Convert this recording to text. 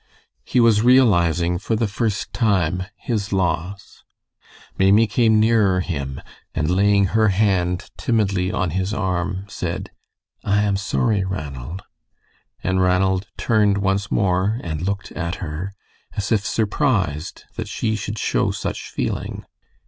He was realizing for the first time his loss. Maimie came nearer him, and laying her hand timidly on his arm, said, "I am sorry, Ranald"; and Ranald turned once more and looked at her, as if surprised that she should show such feeling.